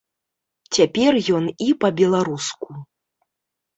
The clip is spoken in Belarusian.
Цяпер ён і па-беларуску!